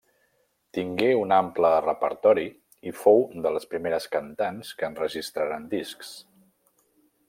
Tingué un ample repertori i fou de les primeres cantants que enregistraren discs.